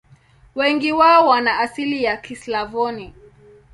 Wengi wao wana asili ya Kislavoni.